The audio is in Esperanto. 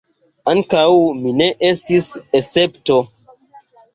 Ankaŭ mi ne estis escepto.